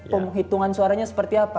penghitungan suaranya seperti apa